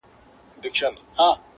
پیر اغوستې ګودړۍ وه ملنګینه -